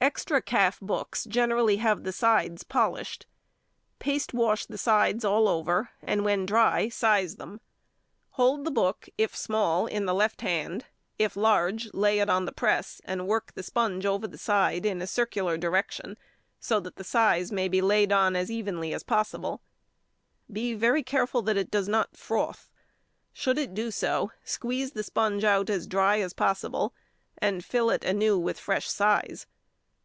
Extra calf books generally have the sides polished. Paste wash the sides all over, and when dry size them. Hold the book, if small, in the left hand, if large, lay it on the press and work the sponge over the side in a circular direction, so that the size may be laid on as evenly as possible. Be very careful that it does not froth; should it do so, squeeze the sponge out as dry as possible, and fill it anew with fresh size.